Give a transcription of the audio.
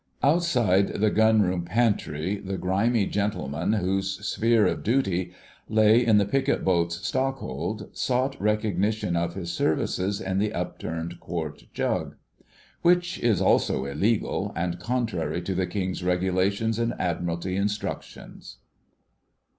Outside the gunroom pantry the grimy gentleman whose sphere of duty lay in the picket boat's stockhold sought recognition of his services in an upturned quart jug. Which is also illegal, and contrary to the King's Regulations and Admiralty Instructions.